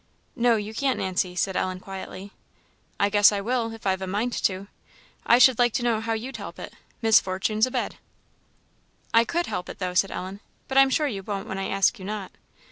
"No, you can't, Nancy," said Ellen, quietly. "I guess I will, if I've a mind to. I should like to know how you'd help it: Miss Fortune's a bed." "I could help it, though," said Ellen; "but I am sure you won't, when I ask you not."